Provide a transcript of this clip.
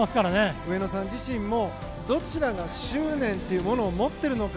上野さん自身もどちらが執念を持っているのか。